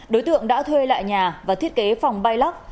đối tượng đã thuê lại nhà và thiết kế phòng bay lắc